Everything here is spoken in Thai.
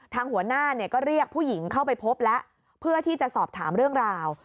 หัวหน้าเนี่ยก็เรียกผู้หญิงเข้าไปพบแล้วเพื่อที่จะสอบถามเรื่องราว